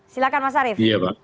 silahkan mas arief